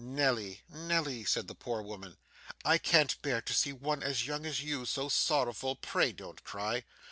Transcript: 'Nelly, Nelly!' said the poor woman, 'I can't bear to see one as young as you so sorrowful. Pray don't cry.